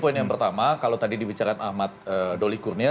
poin yang pertama kalau tadi dibicarakan ahmad doli kurnia